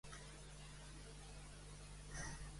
Luke Lutheran Hospital.